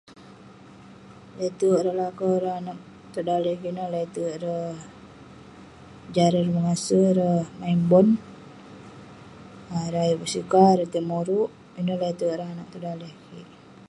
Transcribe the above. Leterk ireh lakau ireh anag tong daleh kik ineh, leterk ireh jah ireh mengase, ireh main bon, um ireh ayuk basika, ireh tai moruk. Ineh leterk ineh anag tong daleh kik.